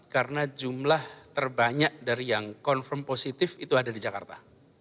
karena jumlah terbanyak dari yang confirm positif itu ada di jakarta